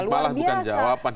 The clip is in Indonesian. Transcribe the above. itu bukan jawaban